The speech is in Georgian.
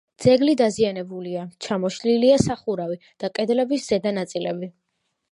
ძეგლი დაზიანებულია: ჩამოშლილია სახურავი და კედლების ზედა ნაწილები.